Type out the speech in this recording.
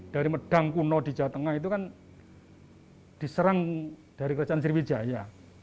dari medang kuno di jawa tengah itu kan diserang dari kerajaan sriwijaya